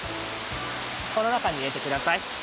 このなかにいれてください。